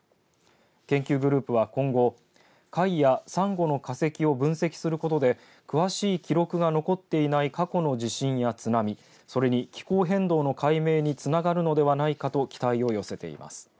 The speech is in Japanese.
研究グループは今後貝やサンゴの化石を分析することで詳しい記録が残っていない過去の地震や津波それに、気候変動の解明につながるのではないかと期待を寄せています。